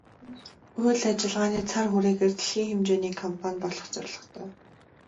Үйл ажиллагааны цар хүрээгээрээ дэлхийн хэмжээний компани болох зорилготой.